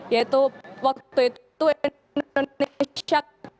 yaitu waktu itu indonesia